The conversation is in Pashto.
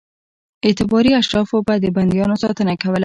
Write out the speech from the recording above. اعتباري اشرافو به د بندیانو ساتنه کوله.